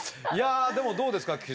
いやでもどうですか？